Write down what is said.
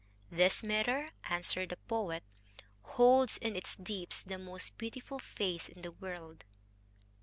"This mirror," answered the poet, "holds in its deeps the most beautiful face in the world."